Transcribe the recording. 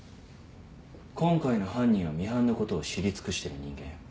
今回の犯人はミハンのことを知り尽くしてる人間。